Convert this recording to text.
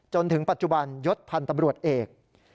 จนถึงปัจจุบันยศพันธ์ตำรวจเอก